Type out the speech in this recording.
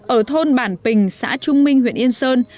ở thôn bản bình xã trung minh huyện yên sơn